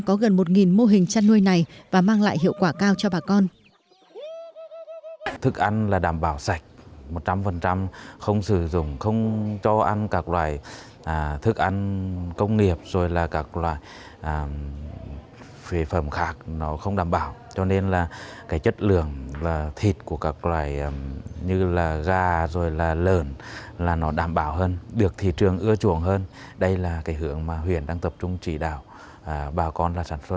có gần một mô hình chăn nuôi này và mang lại hiệu quả cao cho bà con